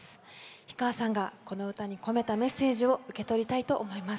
氷川さんがこの歌に込めたメッセージを受け取りたいと思います。